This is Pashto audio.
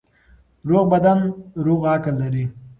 روغ بدن روغ عقل لري.